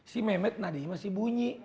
si ngemet nadia masih bunyi